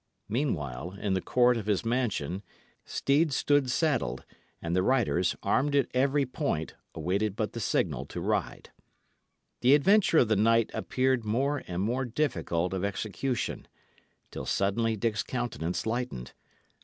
Meanwhile, in the court of his mansion, steeds stood saddled, and the riders, armed at every point, awaited but the signal to ride. The adventure of the night appeared more and more difficult of execution, till suddenly Dick's countenance lightened.